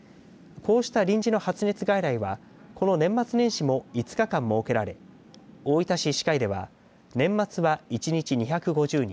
こうした臨時の発熱外来はこの年末年始も５日間設けられ大分市医師会では年末は１日２５０人